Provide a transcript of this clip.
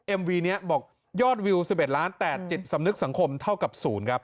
เอ็มวีเนี้ยบอกยอดวิวสิบเอ็ดล้านแต่จิตสำนึกสังคมเท่ากับศูนย์ครับ